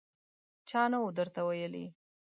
_چا نه و درته ويلي!